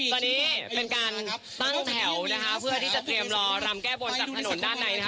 ตอนนี้เป็นการตั้งแถวนะคะเพื่อที่จะเตรียมรอรำแก้บนจากถนนด้านในนะคะ